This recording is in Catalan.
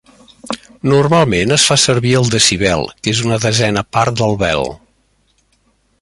Normalment es fa servir el decibel, que és una desena part del bel.